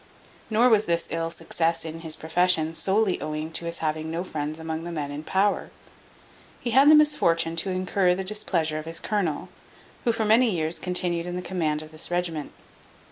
Nor was this ill success in his profession solely owing to his having no friends among the men in power. He had the misfortune to incur the displeasure of his colonel, who for many years continued in the command of this regiment.